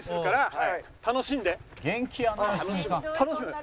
楽しむ。